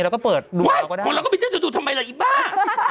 เราก็เปิดดูเราก็ได้ว่ะของเราก็มีเจ้าจูดทำไมล่ะอีบ้า